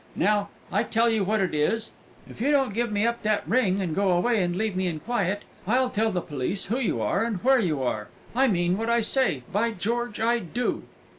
Now, I tell you what it is, if you don't give me up that ring, and go away and leave me in quiet, I'll tell the police who you are and where you are. I mean what I say, by George I do!"